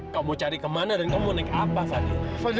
tolong berhenti dulu do tolong berhenti dulu do